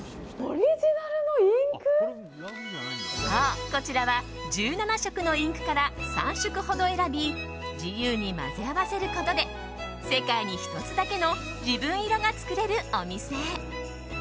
そう、こちらは１７色のインクから３色ほどを選び自由に混ぜ合わせることで世界に１つだけの自分色が作れるお店。